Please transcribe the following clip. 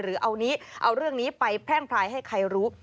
หรือเอานี้เอาเรื่องนี้ไปแพร่งพลายให้ใครรู้